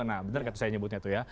nah benar saya nyebutnya itu ya